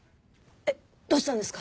えっどうしたんですか？